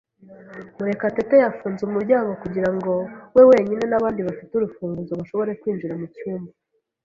Murekatete yafunze umuryango kugirango we wenyine nabandi bafite urufunguzo bashobore kwinjira mucyumba.